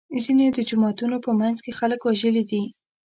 ځینې د جوماتونو په منځ کې خلک وژلي دي.